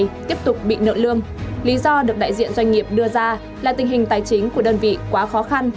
đơn vị này tiếp tục bị nợ lương lý do được đại diện doanh nghiệp đưa ra là tình hình tài chính của đơn vị quá khó khăn